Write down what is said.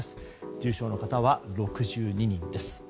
重症の方は６２人です。